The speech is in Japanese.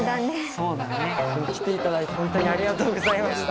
そうだね。来ていただいてホントにありがとうございました。